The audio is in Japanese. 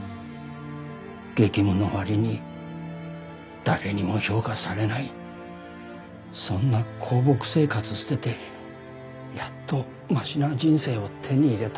激務の割に誰にも評価されないそんな公僕生活捨ててやっとマシな人生を手に入れたと思った。